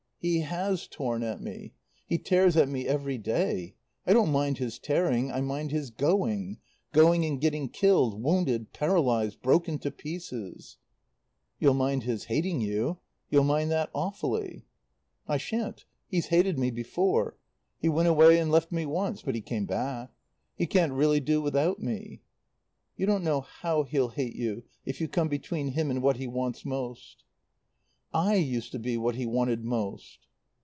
"He has torn at me. He tears at me every day. I don't mind his tearing. I mind his going going and getting killed, wounded, paralysed, broken to pieces." "You'll mind his hating you. You'll mind that awfully." "I shan't. He's hated me before. He went away and left me once. But he came back. He can't really do without me." "You don't know how he'll hate you if you come between him and what he wants most." "I used to be what he wanted most."